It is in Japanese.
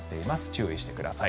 注意してください。